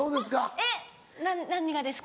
えっな何がですか？